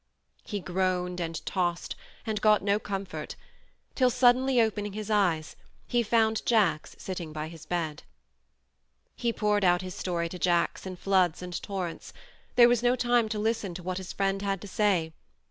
He groaned and tossed and got no comfort, till, suddenly opening his eyes, he found Jacks sitting by his bed. He poured out his story to Jacks in floods and torrents : there was no time to listen to what his friend had to say.